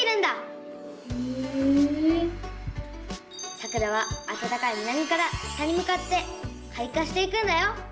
さくらはあたたかい南から北にむかってかい花していくんだよ。